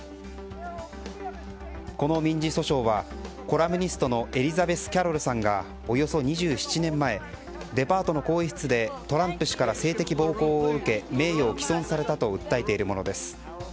この民事訴訟はコラムニストのエリザベス・キャロルさんがおよそ２７年前デパートの更衣室でトランプ氏から性的暴行を受け名誉を棄損されたと訴えているものです。